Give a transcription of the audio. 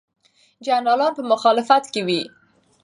جنرالان په مخالفت کې وو.